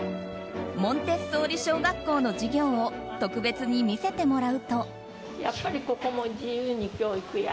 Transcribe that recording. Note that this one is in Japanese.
モンテッソーリ小学校の授業を特別に見せてもらうと。